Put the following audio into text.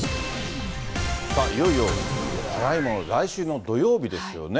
さあ、いよいよ、早いもので来週の土曜日ですよね。